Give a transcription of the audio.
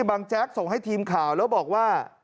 แจ๊กส่งให้ทีมข่าวแล้วบอกว่า